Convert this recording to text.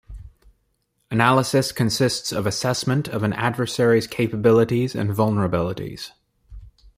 Analysis consists of assessment of an adversary's capabilities and vulnerabilities.